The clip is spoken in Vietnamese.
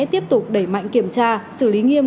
tiếp tục đẩy mạnh kiểm tra xử lý nghiêm